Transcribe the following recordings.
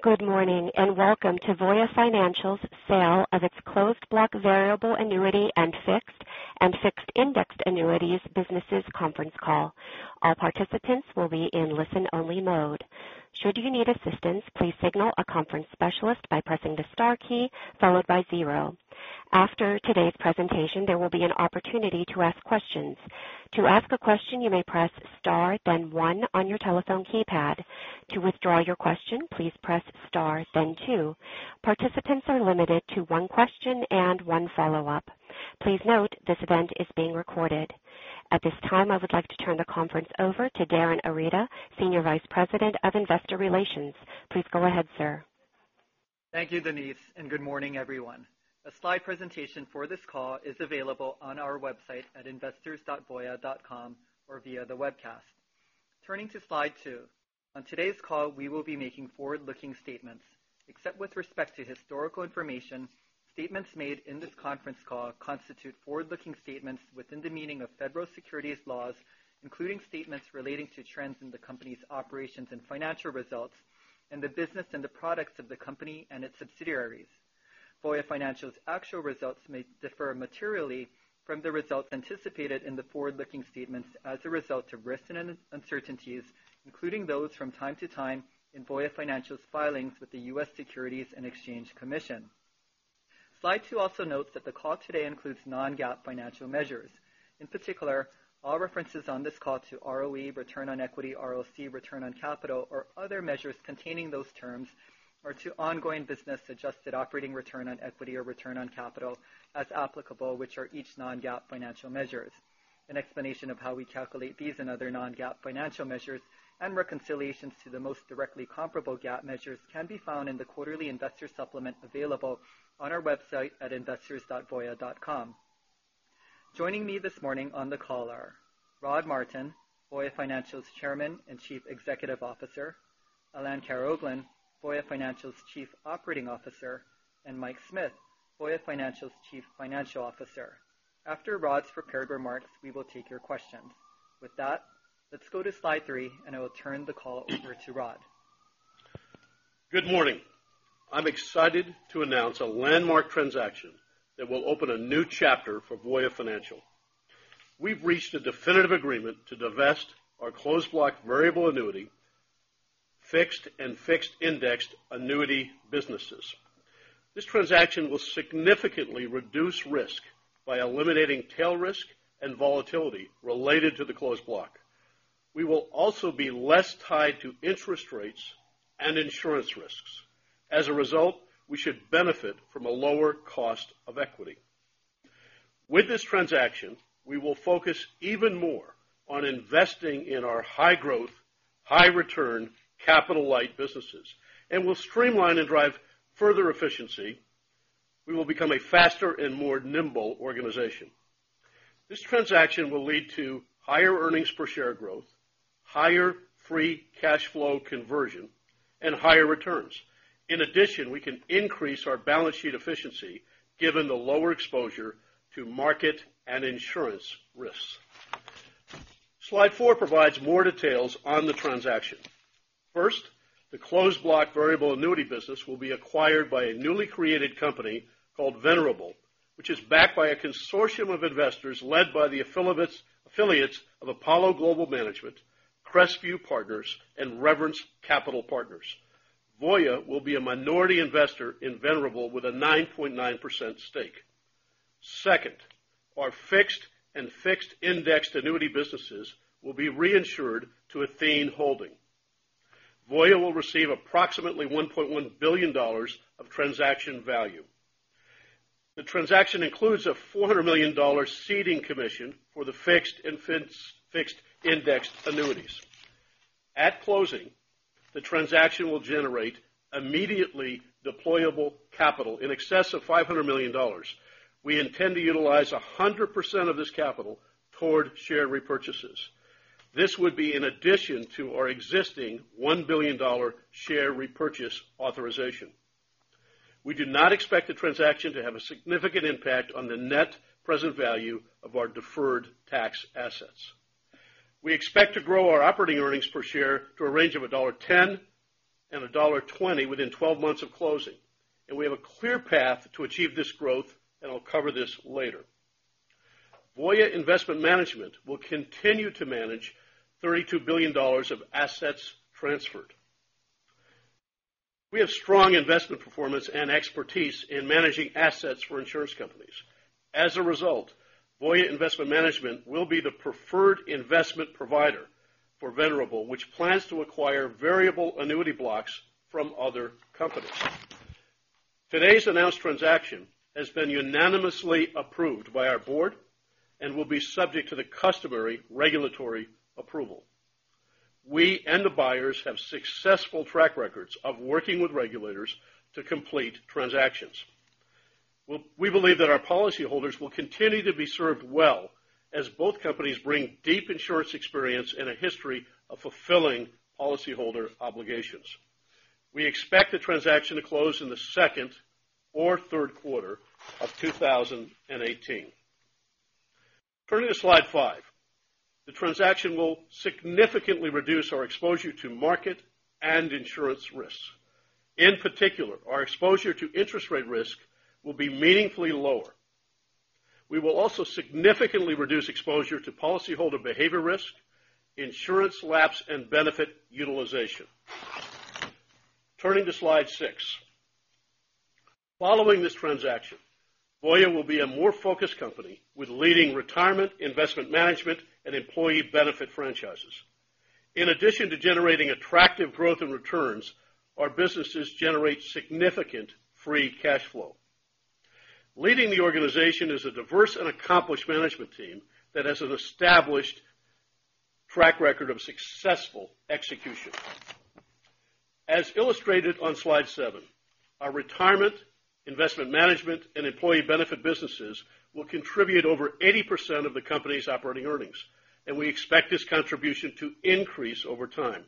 Good morning, welcome to Voya Financial's sale of its closed block variable annuity and fixed and fixed-indexed annuities businesses conference call. All participants will be in listen only mode. Should you need assistance, please signal a conference specialist by pressing the star key followed by zero. After today's presentation, there will be an opportunity to ask questions. To ask a question, you may press star then one on your telephone keypad. To withdraw your question, please press star then two. Participants are limited to one question and one follow-up. Please note this event is being recorded. At this time, I would like to turn the conference over to Darin Arita, Senior Vice President of Investor Relations. Please go ahead, sir. Thank you, Denise, good morning, everyone. A slide presentation for this call is available on our website at investors.voya.com or via the webcast. Turning to slide two. On today's call, we will be making forward-looking statements. Except with respect to historical information, statements made in this conference call constitute forward-looking statements within the meaning of federal securities laws, including statements relating to trends in the company's operations and financial results and the business and the products of the company and its subsidiaries. Voya Financial's actual results may differ materially from the results anticipated in the forward-looking statements as a result of risks and uncertainties, including those from time to time in Voya Financial's filings with the U.S. Securities and Exchange Commission. Slide two also notes that the call today includes non-GAAP financial measures. In particular, all references on this call to ROE, return on equity, ROC, return on capital, or other measures containing those terms are to ongoing business adjusted operating return on equity or return on capital as applicable, which are each non-GAAP financial measures. An explanation of how we calculate these and other non-GAAP financial measures and reconciliations to the most directly comparable GAAP measures can be found in the quarterly investor supplement available on our website at investors.voya.com. Joining me this morning on the call are Rod Martin, Voya Financial's Chairman and Chief Executive Officer, Alain Karaoglan, Voya Financial's Chief Operating Officer, and Mike Smith, Voya Financial's Chief Financial Officer. After Rod's prepared remarks, we will take your questions. With that, let's go to slide three I will turn the call over to Rod. Good morning. I'm excited to announce a landmark transaction that will open a new chapter for Voya Financial. We've reached a definitive agreement to divest our closed block variable annuity, fixed, and fixed-indexed annuity businesses. This transaction will significantly reduce risk by eliminating tail risk and volatility related to the closed block. We will also be less tied to interest rates and insurance risks. As a result, we should benefit from a lower cost of equity. With this transaction, we will focus even more on investing in our high growth, high return capital light businesses and will streamline and drive further efficiency. We will become a faster and more nimble organization. This transaction will lead to higher earnings per share growth, higher free cash flow conversion, and higher returns. In addition, we can increase our balance sheet efficiency given the lower exposure to market and insurance risks. Slide four provides more details on the transaction. First, the closed block variable annuity business will be acquired by a newly created company called Venerable, which is backed by a consortium of investors led by the affiliates of Apollo Global Management, Crestview Partners, and Reverence Capital Partners. Voya will be a minority investor in Venerable with a 9.9% stake. Second, our fixed and fixed-indexed annuity businesses will be reinsured to Athene Holding. Voya will receive approximately $1.1 billion of transaction value. The transaction includes a $400 million seeding commission for the fixed and fixed-indexed annuities. At closing, the transaction will generate immediately deployable capital in excess of $500 million. We intend to utilize 100% of this capital toward share repurchases. This would be in addition to our existing $1 billion share repurchase authorization. We do not expect the transaction to have a significant impact on the net present value of our deferred tax assets. We expect to grow our operating earnings per share to a range of $1.10 and $1.20 within 12 months of closing. We have a clear path to achieve this growth. I'll cover this later. Voya Investment Management will continue to manage $32 billion of assets transferred. We have strong investment performance and expertise in managing assets for insurance companies. As a result, Voya Investment Management will be the preferred investment provider for Venerable, which plans to acquire variable annuity blocks from other companies. Today's announced transaction has been unanimously approved by our board and will be subject to the customary regulatory approval. We and the buyers have successful track records of working with regulators to complete transactions. We believe that our policyholders will continue to be served well as both companies bring deep insurance experience and a history of fulfilling policyholder obligations. We expect the transaction to close in the second or third quarter of 2018. Turning to slide five. The transaction will significantly reduce our exposure to market and insurance risks. In particular, our exposure to interest rate risk will be meaningfully lower. We will also significantly reduce exposure to policyholder behavior risk, insurance lapse, and benefit utilization. Turning to slide six. Following this transaction, Voya will be a more focused company with leading retirement, investment management, and employee benefit franchises. In addition to generating attractive growth and returns, our businesses generate significant free cash flow. Leading the organization is a diverse and accomplished management team that has an established track record of successful execution. As illustrated on slide seven, our retirement, investment management, and employee benefit businesses will contribute over 80% of the company's operating earnings. We expect this contribution to increase over time.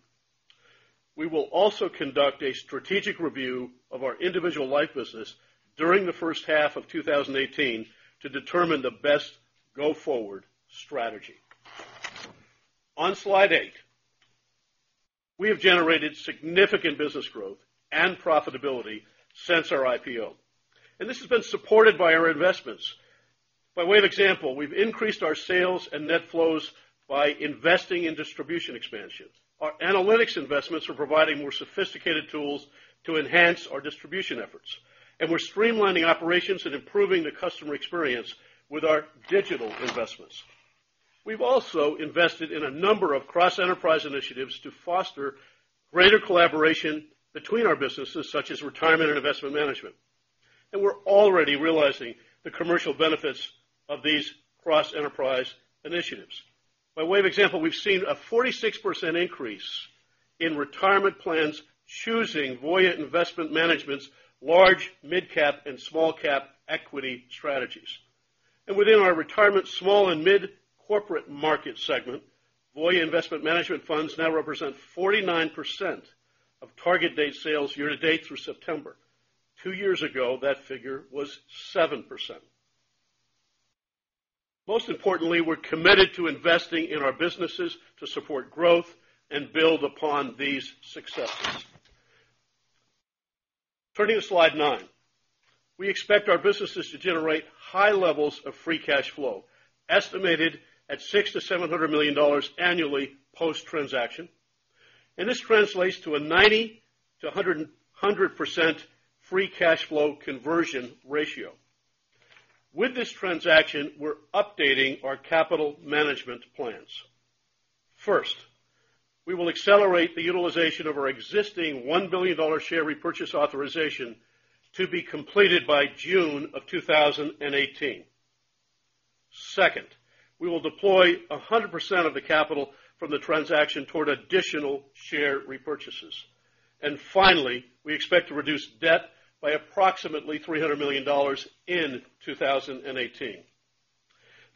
We will also conduct a strategic review of our individual life business during the first half of 2018 to determine the best go-forward strategy. On slide eight, we have generated significant business growth and profitability since our IPO. This has been supported by our investments. By way of example, we've increased our sales and net flows by investing in distribution expansion. Our analytics investments are providing more sophisticated tools to enhance our distribution efforts. We're streamlining operations and improving the customer experience with our digital investments. We've also invested in a number of cross-enterprise initiatives to foster greater collaboration between our businesses, such as retirement and investment management. We're already realizing the commercial benefits of these cross-enterprise initiatives. By way of example, we've seen a 46% increase in retirement plans choosing Voya Investment Management's large, midcap, and small cap equity strategies. Within our retirement small and mid-corporate market segment, Voya Investment Management funds now represent 49% of target date sales year-to-date through September. Two years ago, that figure was 7%. Most importantly, we're committed to investing in our businesses to support growth and build upon these successes. Turning to slide nine. We expect our businesses to generate high levels of free cash flow, estimated at $600 million-$700 million annually post-transaction, and this translates to a 90%-100% free cash flow conversion ratio. With this transaction, we're updating our capital management plans. First, we will accelerate the utilization of our existing $1 billion share repurchase authorization to be completed by June of 2018. Second, we will deploy 100% of the capital from the transaction toward additional share repurchases. Finally, we expect to reduce debt by approximately $300 million in 2018.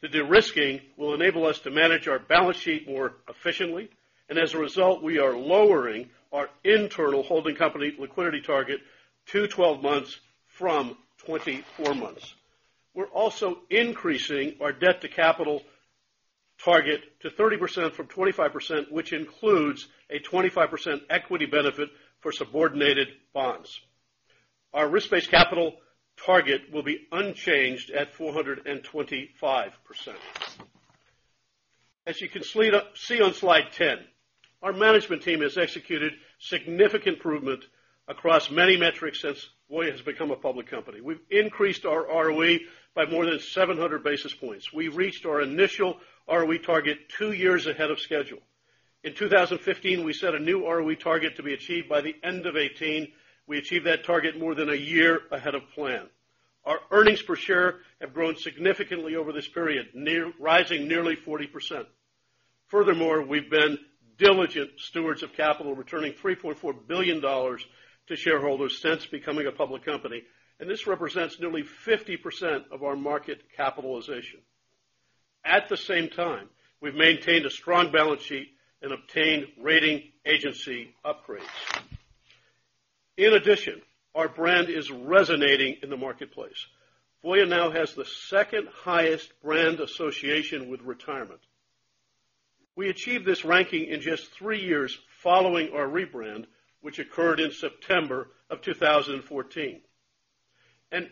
The de-risking will enable us to manage our balance sheet more efficiently, and as a result, we are lowering our internal holding company liquidity target to 12 months from 24 months. We're also increasing our debt-to-capital target to 30% from 25%, which includes a 25% equity benefit for subordinated bonds. Our risk-based capital target will be unchanged at 425%. As you can see on slide 10, our management team has executed significant improvement across many metrics since Voya has become a public company. We've increased our ROE by more than 700 basis points. We've reached our initial ROE target two years ahead of schedule. In 2015, we set a new ROE target to be achieved by the end of 2018. We achieved that target more than one year ahead of plan. Our earnings per share have grown significantly over this period, rising nearly 40%. Furthermore, we've been diligent stewards of capital, returning $3.4 billion to shareholders since becoming a public company, and this represents nearly 50% of our market capitalization. At the same time, we've maintained a strong balance sheet and obtained rating agency upgrades. In addition, our brand is resonating in the marketplace. Voya now has the second highest brand association with retirement. We achieved this ranking in just three years following our rebrand, which occurred in September of 2014.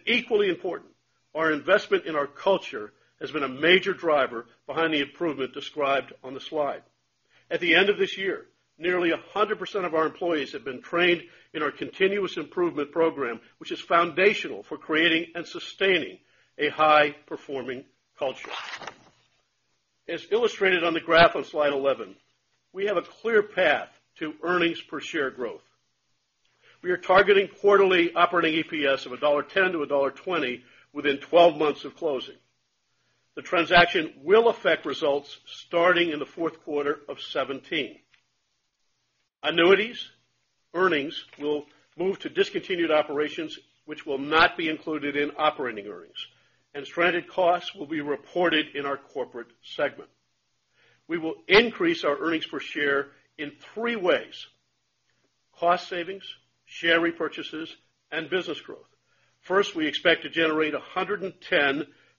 Equally important, our investment in our culture has been a major driver behind the improvement described on the slide. At the end of this year, nearly 100% of our employees have been trained in our Continuous Improvement Program, which is foundational for creating and sustaining a high-performing culture. As illustrated on the graph on slide 11, we have a clear path to earnings per share growth. We are targeting quarterly operating EPS of $1.10-$1.20 within 12 months of closing. The transaction will affect results starting in the fourth quarter of 2017. Annuities earnings will move to discontinued operations, which will not be included in operating earnings, and stranded costs will be reported in our corporate segment. We will increase our earnings per share in three ways. Cost savings, share repurchases, and business growth. First, we expect to generate $110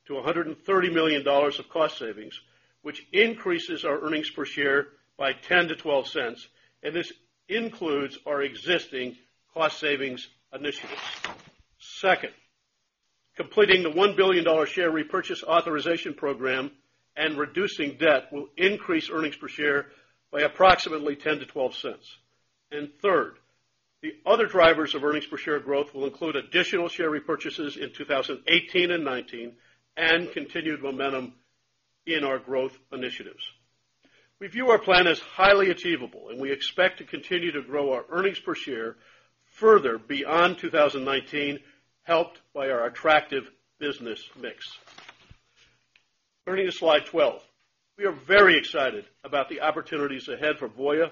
million-$130 million of cost savings, which increases our earnings per share by $0.10-$0.12. This includes our existing cost savings initiatives. Second, completing the $1 billion share repurchase authorization program and reducing debt will increase earnings per share by approximately $0.10-$0.12. Third, the other drivers of earnings per share growth will include additional share repurchases in 2018 and 2019, and continued momentum in our growth initiatives. We view our plan as highly achievable, and we expect to continue to grow our earnings per share further beyond 2019, helped by our attractive business mix. Turning to slide 12. We are very excited about the opportunities ahead for Voya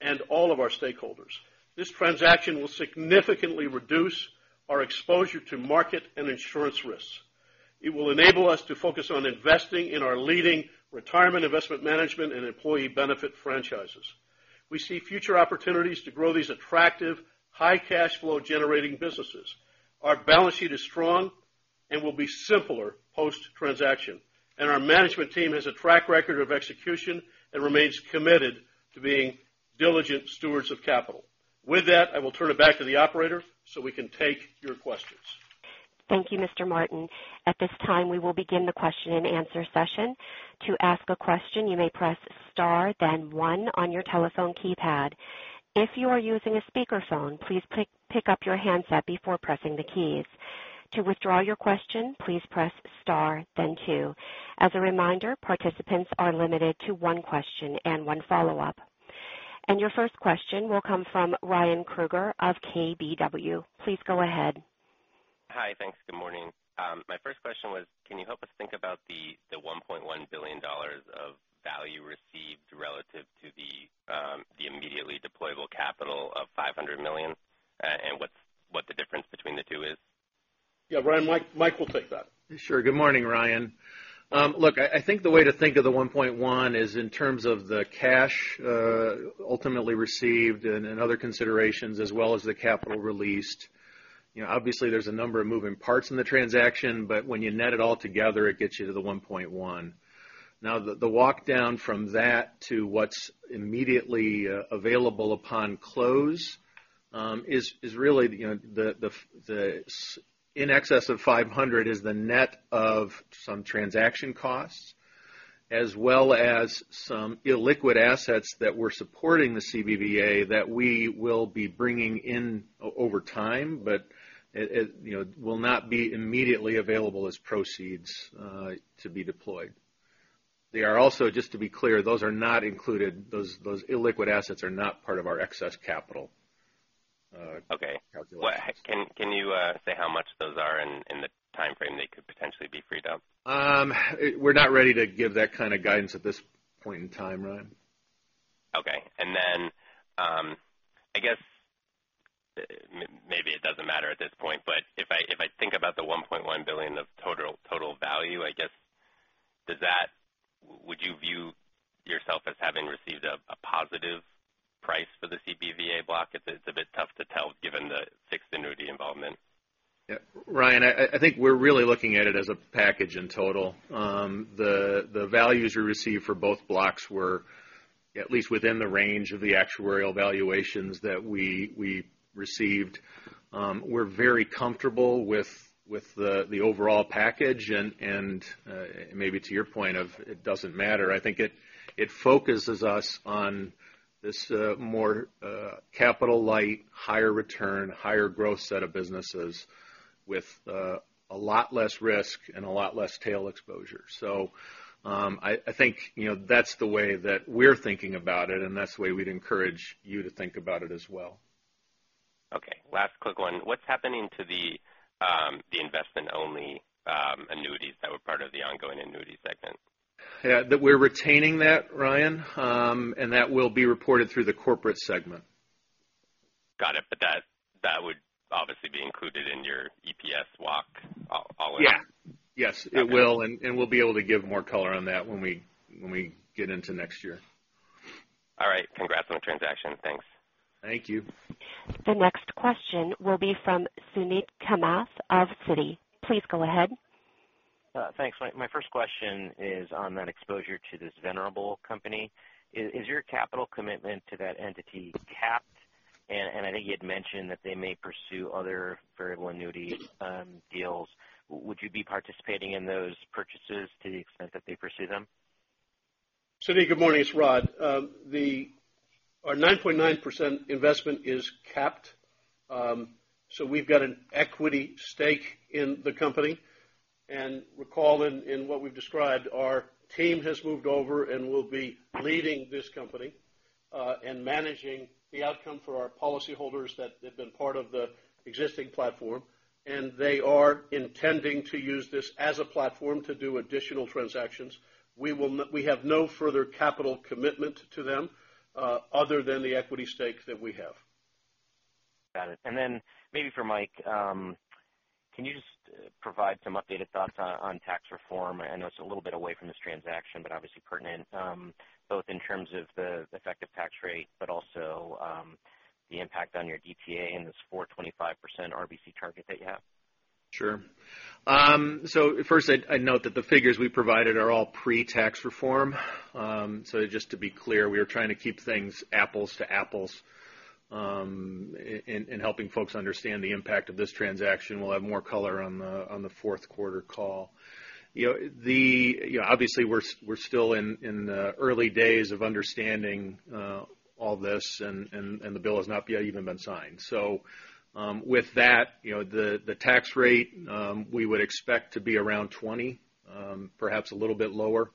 and all of our stakeholders. This transaction will significantly reduce our exposure to market and insurance risks. It will enable us to focus on investing in our leading retirement investment management and employee benefit franchises. We see future opportunities to grow these attractive, high cash flow generating businesses. Our balance sheet is strong and will be simpler post-transaction, and our management team has a track record of execution and remains committed to being diligent stewards of capital. With that, I will turn it back to the operator so we can take your questions. Thank you, Mr. Martin. At this time, we will begin the question and answer session. To ask a question, you may press star then one on your telephone keypad. If you are using a speakerphone, please pick up your handset before pressing the keys. To withdraw your question, please press star then two. As a reminder, participants are limited to one question and one follow-up. Your first question will come from Ryan Krueger of KBW. Please go ahead. Hi. Thanks. Good morning. My first question was, can you help us think about the $1.1 billion of value received relative to the immediately deployable capital of $500 million, and what the difference between the two is? Yeah, Ryan, Mike will take that. Sure. Good morning, Ryan. Look, I think the way to think of the $1.1 is in terms of the cash ultimately received and other considerations as well as the capital released. Obviously, there's a number of moving parts in the transaction, but when you net it all together, it gets you to the $1.1. Now, the walk down from that to what's immediately available upon close is really in excess of $500 is the net of some transaction costs, as well as some illiquid assets that were supporting the CBVA that we will be bringing in over time, but will not be immediately available as proceeds to be deployed. They are also, just to be clear, those are not included. Those illiquid assets are not part of our excess capital. Okay. Can you say how much those are in the timeframe they could potentially be freed up? We're not ready to give that kind of guidance at this point in time, Ryan. Okay. I guess maybe it doesn't matter at this point, but if I think about the $1.1 billion of total value, I guess, would you view yourself as having received a positive price for the CBVA block? It's a bit tough to tell given the fixed annuity involvement. Yeah, Ryan, I think we're really looking at it as a package in total. The values we received for both blocks were at least within the range of the actuarial valuations that we received. We're very comfortable with the overall package and maybe to your point of it doesn't matter, I think it focuses us on this more capital light, higher return, higher growth set of businesses with a lot less risk and a lot less tail exposure. I think that's the way that we're thinking about it, and that's the way we'd encourage you to think about it as well. Okay. Last quick one. What's happening to the investment-only annuities that were part of the ongoing annuity segment? Yeah. We're retaining that, Ryan, and that will be reported through the corporate segment. That would obviously be included in your EPS walk onward. Yeah. Yes. It will, and we'll be able to give more color on that when we get into next year. All right. Congrats on the transaction. Thanks. Thank you. The next question will be from Suneet Kamath of Citi. Please go ahead. Thanks. My first question is on that exposure to this Venerable company. Is your capital commitment to that entity capped? I think you had mentioned that they may pursue other variable annuity deals. Would you be participating in those purchases to the extent that they pursue them? Suneet, good morning. It's Rod. Our 9.9% investment is capped, we've got an equity stake in the company. Recall in what we've described, our team has moved over and will be leading this company, and managing the outcome for our policy holders that have been part of the existing platform, they are intending to use this as a platform to do additional transactions. We have no further capital commitment to them other than the equity stake that we have. Got it. Then maybe for Mike, can you just provide some updated thoughts on tax reform? I know it's a little bit away from this transaction, but obviously pertinent, both in terms of the effective tax rate, but also the impact on your DTA in this 425% RBC target that you have. Sure. First, I would note that the figures we provided are all pre-tax reform. Just to be clear, we are trying to keep things apples to apples in helping folks understand the impact of this transaction. We will have more color on the fourth quarter call. Obviously, we are still in the early days of understanding all this, and the bill has not yet even been signed. With that, the tax rate we would expect to be around 20%, perhaps a little bit lower.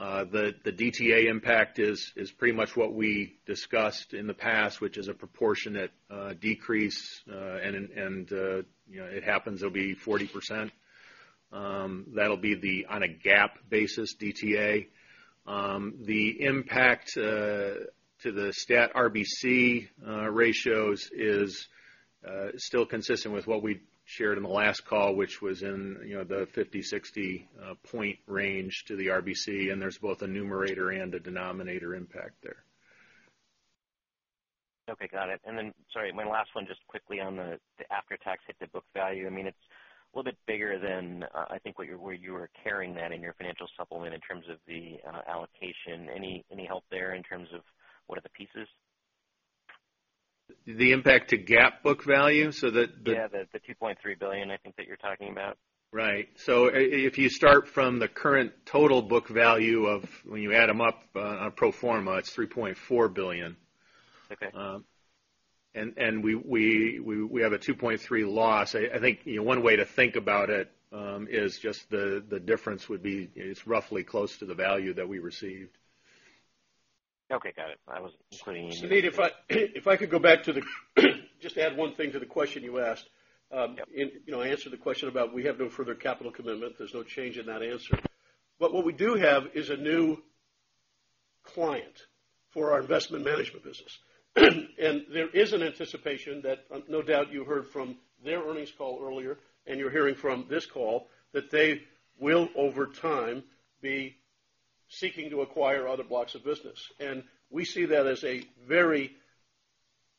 The DTA impact is pretty much what we discussed in the past, which is a proportionate decrease. It happens it will be 40%. That will be on a GAAP basis DTA. The impact to the stat RBC ratios is still consistent with what we shared in the last call, which was in the 50-60 point range to the RBC. There is both a numerator and a denominator impact there. Okay, got it. Then, sorry, my last one, just quickly on the after-tax hit to book value. It is a little bit bigger than I think where you were carrying that in your financial supplement in terms of the allocation. Any help there in terms of what are the pieces? The impact to GAAP book value? The Yeah, the $2.3 billion I think that you're talking about. Right. If you start from the current total book value of when you add them up on pro forma, it's $3.4 billion. Okay. We have a $2.3 billion loss. I think one way to think about it is just the difference would be, it's roughly close to the value that we received. Okay, got it. Suneet, if I could go back just to add one thing to the question you asked. Yep. In answer to the question about we have no further capital commitment. There's no change in that answer. What we do have is a new client for our investment management business. There is an anticipation that no doubt you heard from their earnings call earlier, and you're hearing from this call that they will, over time, be seeking to acquire other blocks of business. We see that as a very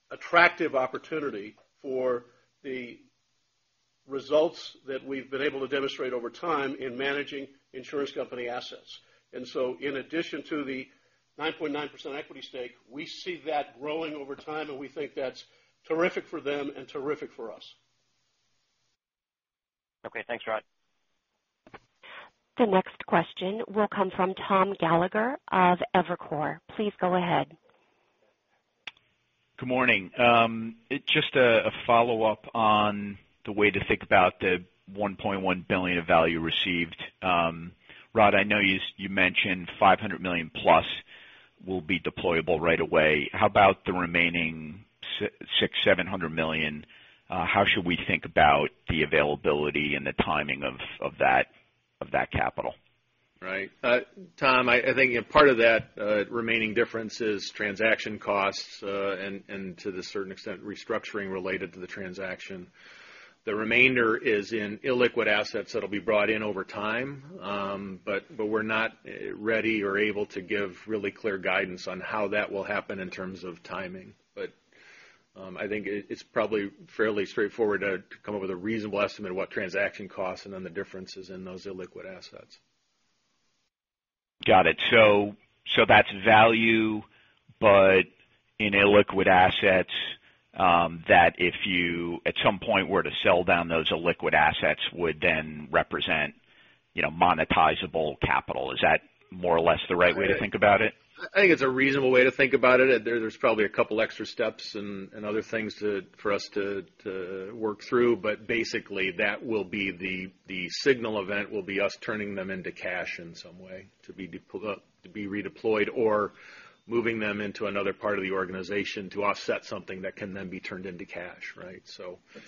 attractive opportunity for the results that we've been able to demonstrate over time in managing insurance company assets. In addition to the 9.9% equity stake, we see that growing over time, and we think that's terrific for them and terrific for us. Okay, thanks Rod. The next question will come from Thomas Gallagher of Evercore. Please go ahead. Good morning. Just a follow-up on the way to think about the $1.1 billion of value received. Rod, I know you mentioned $500 million plus will be deployable right away. How about the remaining $700 million? How should we think about the availability and the timing of that capital? Right. Tom, I think part of that remaining difference is transaction costs and to a certain extent, restructuring related to the transaction. The remainder is in illiquid assets that'll be brought in over time. We're not ready or able to give really clear guidance on how that will happen in terms of timing. I think it's probably fairly straightforward to come up with a reasonable estimate of what transaction costs and then the differences in those illiquid assets. Got it. That's value, but in illiquid assets, that if you at some point were to sell down those illiquid assets would then represent monetizable capital. Is that more or less the right way to think about it? I think it's a reasonable way to think about it. There's probably a couple of extra steps and other things for us to work through, but basically that will be the signal event will be us turning them into cash in some way to be redeployed or moving them into another part of the organization to offset something that can then be turned into cash. Right?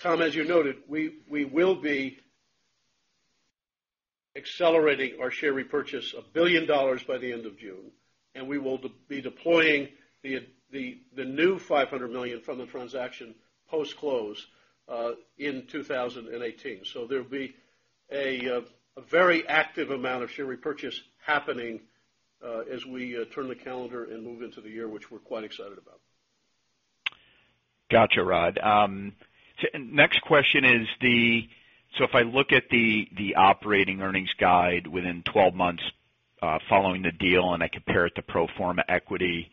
Tom, as you noted, we will be accelerating our share repurchase of $1 billion by the end of June, and we will be deploying the new $500 million from the transaction post-close in 2018. There'll be a very active amount of share repurchase happening as we turn the calendar and move into the year, which we're quite excited about. Got you, Rod. Next question is the, if I look at the operating earnings guide within 12 months following the deal, and I compare it to pro forma equity,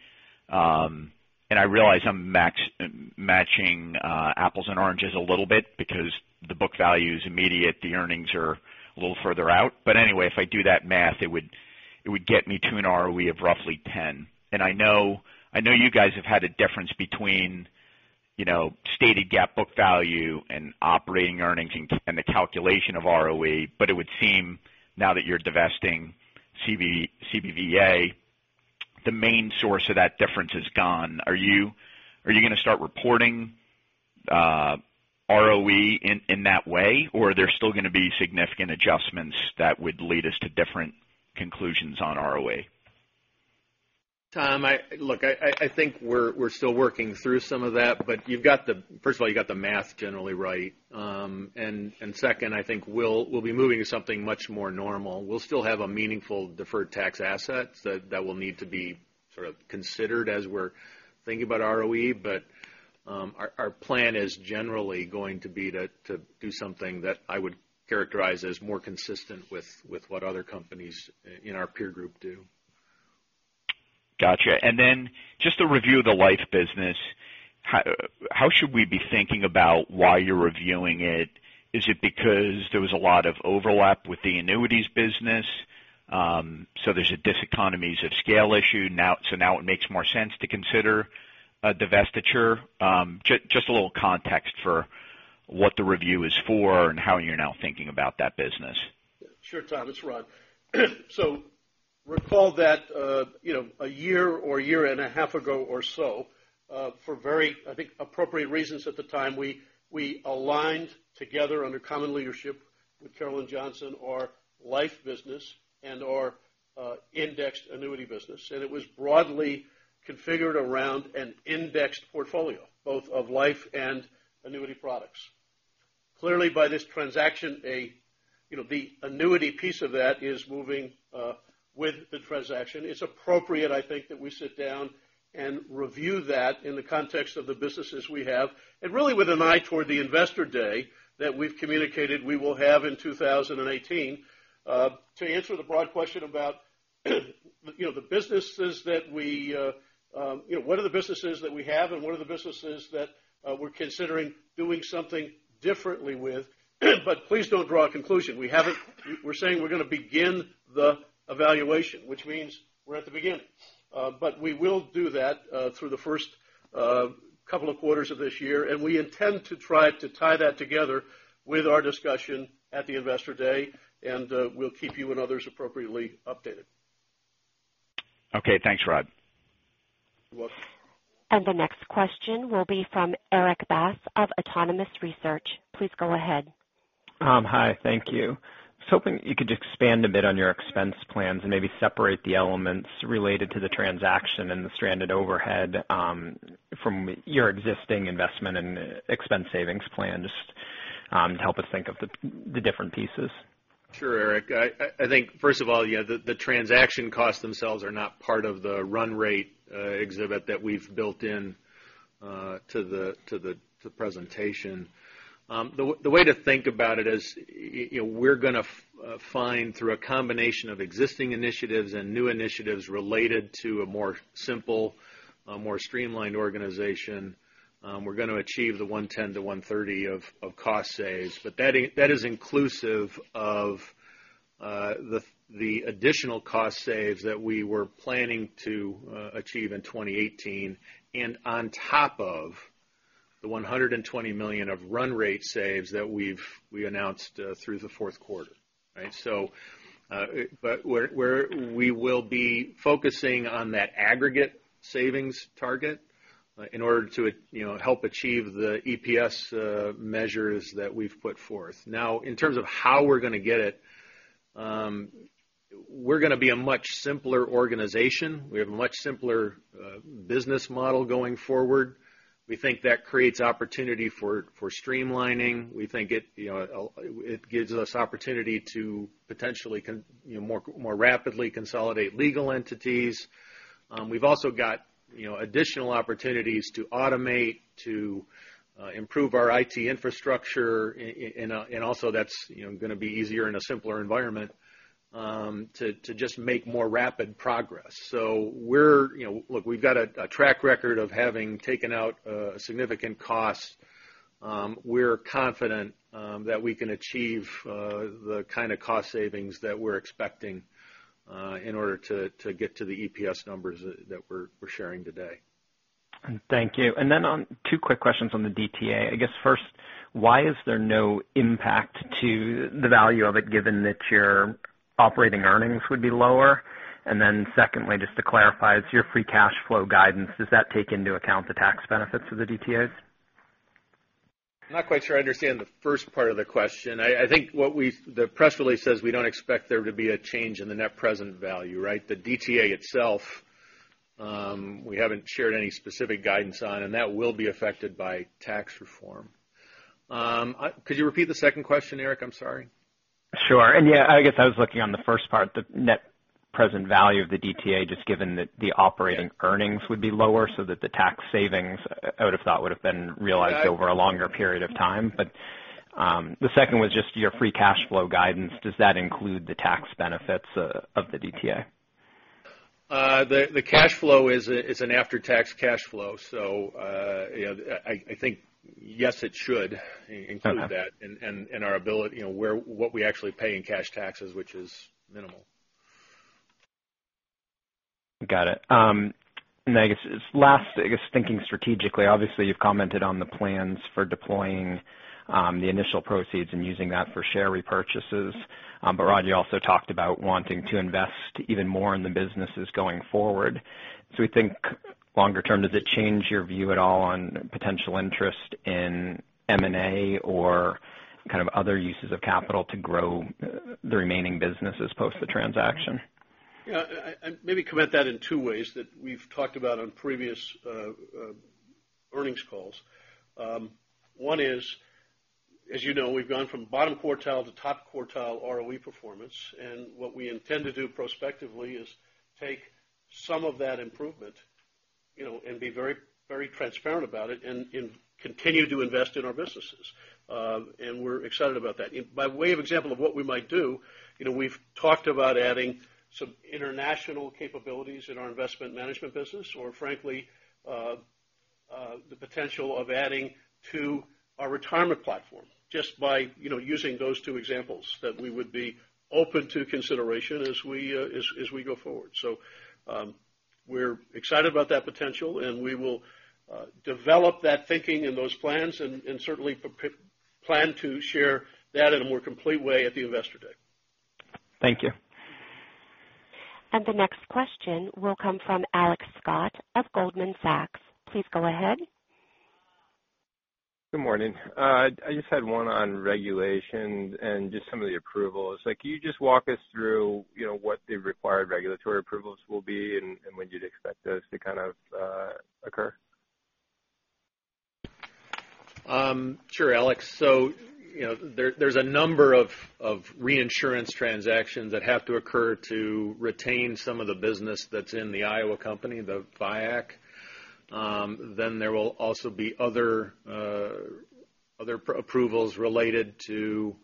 and I realize I'm matching apples and oranges a little bit because the book value is immediate, the earnings are a little further out. Anyway, if I do that math, it would get me to an ROE of roughly 10. I know you guys have had a difference between stated GAAP book value and operating earnings and the calculation of ROE, but it would seem now that you're divesting CBVA, the main source of that difference is gone. Are you going to start reporting ROE in that way, or are there still going to be significant adjustments that would lead us to different conclusions on ROE? Tom, look, I think we're still working through some of that, first of all, you got the math generally right. Second, I think we'll be moving to something much more normal. We'll still have a meaningful deferred tax asset that will need to be considered as we're thinking about ROE. Our plan is generally going to be to do something that I would characterize as more consistent with what other companies in our peer group do. Got you. Just to review the life business, how should we be thinking about why you're reviewing it? Is it because there was a lot of overlap with the annuities business? There's a diseconomies of scale issue, now it makes more sense to consider a divestiture? Just a little context for what the review is for and how you're now thinking about that business. Sure, Tom, it's Rod. Recall that a year or a year and a half ago or so, for very appropriate reasons at the time, we aligned together under common leadership with Carolyn Johnson, our life business and our indexed annuity business. It was broadly configured around an indexed portfolio, both of life and annuity products. Clearly, by this transaction, the annuity piece of that is moving with the transaction. It's appropriate, I think, that we sit down and review that in the context of the businesses we have, really with an eye toward the investor day that we've communicated we will have in 2018. To answer the broad question about what are the businesses that we have and what are the businesses that we're considering doing something differently with. Please don't draw a conclusion. We're saying we're going to begin the evaluation, which means we're at the beginning. We will do that through the first couple of quarters of this year, we intend to try to tie that together with our discussion at the investor day, we'll keep you and others appropriately updated. Okay, thanks, Rod. You're welcome. The next question will be from Erik Bass of Autonomous Research. Please go ahead. Tom, hi, thank you. I was hoping you could expand a bit on your expense plans and maybe separate the elements related to the transaction and the stranded overhead from your existing investment and expense savings plan, just to help us think of the different pieces. Sure, Erik. I think, first of all, the transaction costs themselves are not part of the run rate exhibit that we've built into the presentation. The way to think about it is we're going to find through a combination of existing initiatives and new initiatives related to a more simple, more streamlined organization. We're going to achieve the $110 million-$130 million of cost saves. That is inclusive of the additional cost saves that we were planning to achieve in 2018 and on top of the $120 million of run rate saves that we announced through the fourth quarter. We will be focusing on that aggregate savings target in order to help achieve the EPS measures that we've put forth. Now, in terms of how we're going to get it, we're going to be a much simpler organization. We have a much simpler business model going forward. We think that creates opportunity for streamlining. We think it gives us opportunity to potentially more rapidly consolidate legal entities. We've also got additional opportunities to automate, to improve our IT infrastructure, and also that's going to be easier in a simpler environment to just make more rapid progress. Look, we've got a track record of having taken out significant costs. We're confident that we can achieve the kind of cost savings that we're expecting in order to get to the EPS numbers that we're sharing today. Thank you. Two quick questions on the DTA. I guess first, why is there no impact to the value of it, given that your operating earnings would be lower? Secondly, just to clarify, your free cash flow guidance, does that take into account the tax benefits of the DTAs? I'm not quite sure I understand the first part of the question. I think the press release says we don't expect there to be a change in the net present value. The DTA itself we haven't shared any specific guidance on, and that will be affected by tax reform. Could you repeat the second question, Erik? I'm sorry. Sure. Yeah, I guess I was looking on the first part, the net present value of the DTA, just given that the operating earnings would be lower, so that the tax savings I would have thought would have been realized over a longer period of time. The second was just your free cash flow guidance. Does that include the tax benefits of the DTA? The cash flow is an after-tax cash flow. I think, yes, it should include that. What we actually pay in cash taxes, which is minimal. Got it. Last, thinking strategically, obviously, you've commented on the plans for deploying the initial proceeds and using that for share repurchases. Rod, you also talked about wanting to invest even more in the businesses going forward. We think longer term, does it change your view at all on potential interest in M&A or other uses of capital to grow the remaining businesses post the transaction? Yeah. Maybe comment that in two ways that we've talked about on previous earnings calls. One is, as you know, we've gone from bottom quartile to top quartile ROE performance, what we intend to do prospectively is take some of that improvement, be very transparent about it and continue to invest in our businesses. We're excited about that. By way of example of what we might do, we've talked about adding some international capabilities in our investment management business, or frankly, the potential of adding to our retirement platform, just by using those two examples that we would be open to consideration as we go forward. We're excited about that potential, we will develop that thinking and those plans and certainly plan to share that in a more complete way at the Investor Day. Thank you. The next question will come from Alex Scott of Goldman Sachs. Please go ahead. Good morning. I just had one on regulations and just some of the approvals. Can you just walk us through what the required regulatory approvals will be and when you'd expect those to occur? Sure, Alex. There's a number of reinsurance transactions that have to occur to retain some of the business that's in the Iowa company, the VIAC. There will also be other approvals related to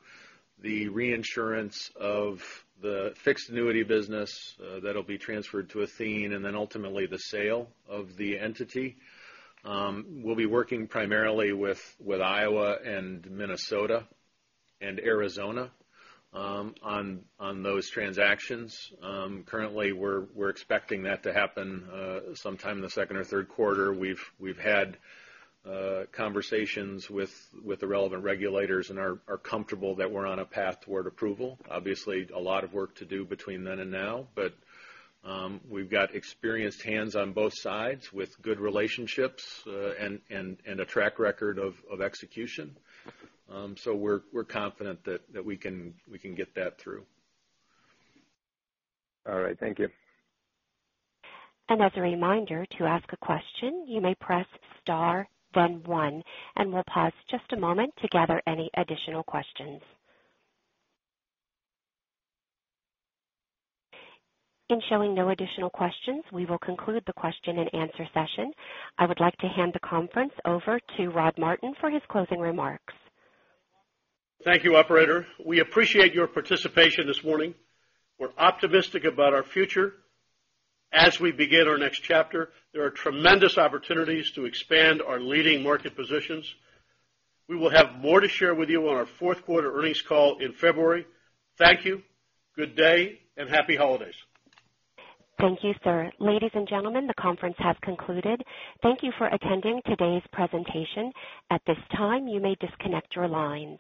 the reinsurance of the fixed annuity business that'll be transferred to Athene, ultimately the sale of the entity. We'll be working primarily with Iowa and Minnesota and Arizona on those transactions. Currently, we're expecting that to happen sometime in the second or third quarter. We've had conversations with the relevant regulators and are comfortable that we're on a path toward approval. Obviously, a lot of work to do between then and now, we've got experienced hands on both sides with good relationships and a track record of execution. We're confident that we can get that through. All right. Thank you. As a reminder, to ask a question, you may press star, then one, and we'll pause just a moment to gather any additional questions. In showing no additional questions, we will conclude the question and answer session. I would like to hand the conference over to Rod Martin for his closing remarks. Thank you, operator. We appreciate your participation this morning. We're optimistic about our future. As we begin our next chapter, there are tremendous opportunities to expand our leading market positions. We will have more to share with you on our fourth quarter earnings call in February. Thank you. Good day, and happy holidays. Thank you, sir. Ladies and gentlemen, the conference has concluded. Thank you for attending today's presentation. At this time, you may disconnect your lines.